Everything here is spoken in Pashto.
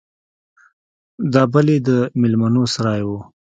دا بل يې د ميلمنو سراى و.